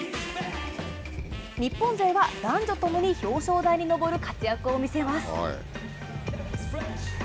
日本勢は男女共に表彰台に上る活躍を見せます。